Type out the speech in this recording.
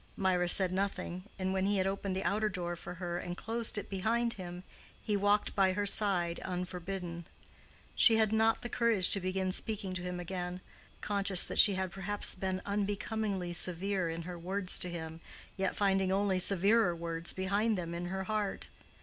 Mirah said nothing, and when he had opened the outer door for her and closed it behind him, he walked by her side unforbidden. She had not the courage to begin speaking to him again—conscious that she had perhaps been unbecomingly severe in her words to him, yet finding only severer words behind them in her heart.